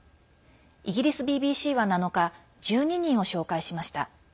イギリスＢＢＣは７日１２人を紹介しました。